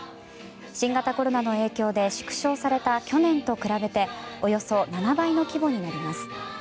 新型コロナの影響で縮小された去年と比べておよそ７倍の規模になります。